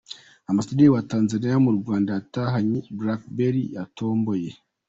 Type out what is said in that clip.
Ambasaderi wa Tanzaniya mu Rwanda yatahanye BlackBerry yatomboye.